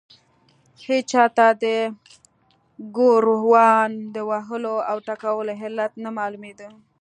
هېچا ته د ګوروان د وهلو او ټکولو علت نه معلومېده.